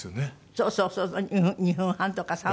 そうそうそう２分半とか３分とかね。